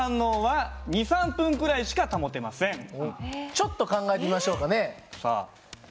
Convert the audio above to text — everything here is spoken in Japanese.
ちょっと考えてみましょうかね。